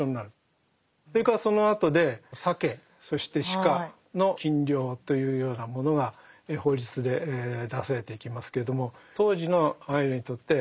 それからそのあとでサケそしてシカの禁猟というようなものが法律で出されていきますけれども。